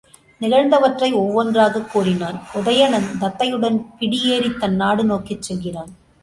நிகழ்ந்தவற்றை ஒவ்வொன்றாகக் கூறினான் உதயணன் தத்தையுடன் பிடியேறித் தன் நாடு நோக்கிச் செல்கிறான்.